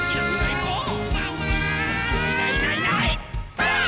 ばあっ！